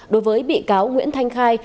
đối với bị cáo nguyễn thanh khai